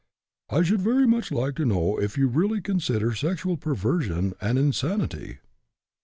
I should very much like to know if you really consider sexual perversion an insanity."